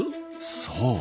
そう。